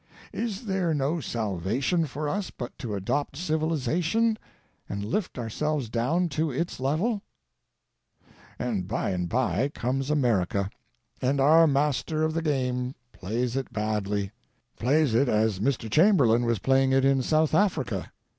Is there no salvation for us but to adopt Civilization and lift our selves down to its level ?" And by and by comes America, and our Master of the Game plays it badly — plays it as Mr. Chamberlain was playing it in South Africa.